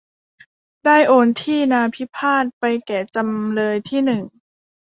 ได้โอนที่นาพิพาทให้แก่จำเลยที่หนึ่ง